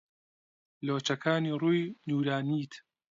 لۆچەکانی ڕووی نوورانیت